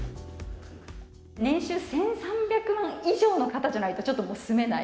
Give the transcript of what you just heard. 年収１３００万以上の方じゃないとちょっともう住めない。